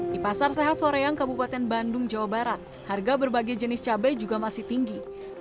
di pasar sehat soreang kabupaten bandung jawa barat harga berbagai jenis cabai juga masih tinggi